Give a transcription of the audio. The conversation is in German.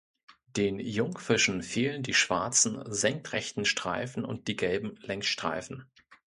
Den Jungfischen fehlen die schwarzen, senkrechten Streifen und die gelben Längsstreifen.